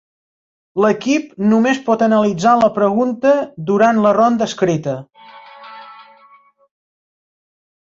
L'equip només pot analitzar la pregunta durant la ronda escrita.